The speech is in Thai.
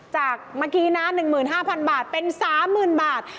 จากเมื่อกี้นะ๑๕๐๐บาทเป็น๓๐๐๐บาท